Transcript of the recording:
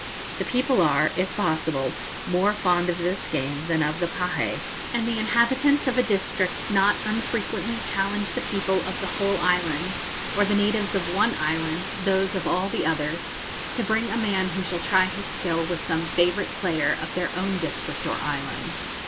The people are, if possible, more fond of this game than of the pahé, and the inhabitants of a district not unfrequently challenge the people of the whole island, or the natives of one island those of all the others, to bring a man who shall try his skill with some favourite player of their own district or island.